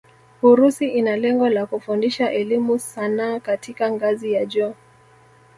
Urusi ina lengo la kufundisha elimu sanaa katika ngazi ya juu